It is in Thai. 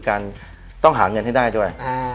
การต้องหาเงินให้ได้ด้วย